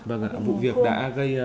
vâng ạ vụ việc đã gây